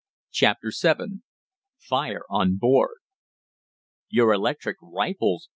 CHAPTER VII FIRE ON BOARD "Your electric rifles!"